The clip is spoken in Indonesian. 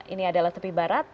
ini adalah tepi barat